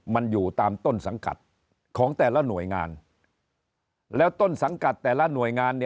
มันอยู่ตามต้นสังกัดของแต่ละหน่วยงานแล้วต้นสังกัดแต่ละหน่วยงาน